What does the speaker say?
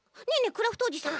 クラフトおじさん。